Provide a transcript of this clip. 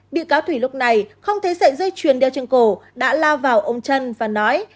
bị cáo thủy lúc này không thấy sợi dây chuyền đeo trên cổ đã la vào ôm chân và nói